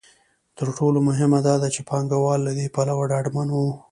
تر ټولو مهمه دا ده چې پانګوال له دې پلوه ډاډمن وو.